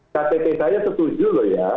ktp saya setuju loh ya